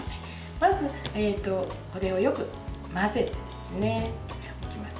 まず、これをよく混ぜていきます。